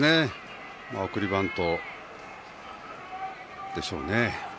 送りバントでしょうね。